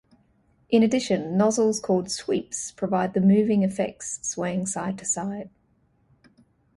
In addition, nozzles called "sweeps" provide the moving effects, swaying side-to-side.